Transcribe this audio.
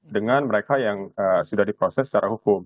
dengan mereka yang sudah diproses secara hukum